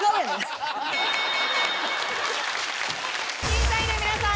審査員の皆さん